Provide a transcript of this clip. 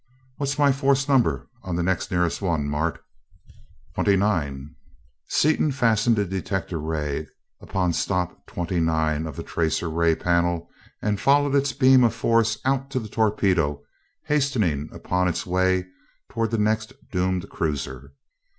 What's my force number on the next nearest one, Mart?" "Twenty nine." Seaton fastened a detector ray upon stop twenty nine of the tracer ray panel and followed its beam of force out to the torpedo hastening upon its way toward the next doomed cruiser.